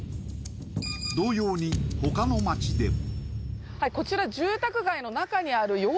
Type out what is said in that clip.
同様にほかの街でも。